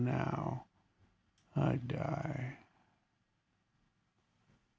now, I die!